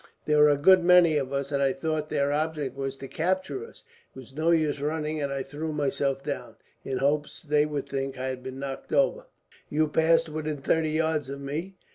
There were a good many of us, and I thought their object was to capture us. It was no use running, and I threw myself down, in hopes they would think I had been knocked over. You passed within thirty yards of me.